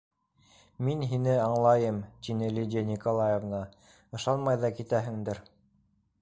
Мин һине аңлайым, - тине Лидия Николаевна, - ышанмай ҙа китәһеңдер.